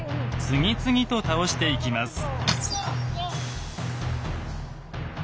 次々と倒していきます。